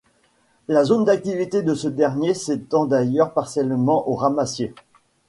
La zone d'activité de ce dernier s'étend d'ailleurs partiellement aux Ramassiers.